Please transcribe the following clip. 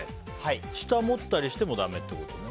下持ったりしてもダメってことね。